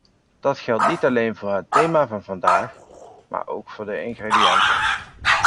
Dat geldt niet alleen voor het thema van vandaag, maar ook voor de ingrediënten.